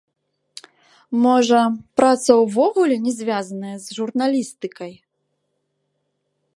Можа, праца ўвогуле не звязаная з журналістыкай?